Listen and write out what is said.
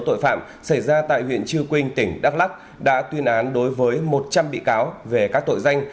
tội phạm xảy ra tại huyện chư quynh tỉnh đắk lắc đã tuyên án đối với một trăm linh bị cáo về các tội danh